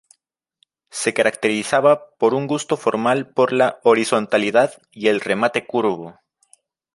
Se caracterizaba por un gusto formal por la horizontalidad y el remate curvo.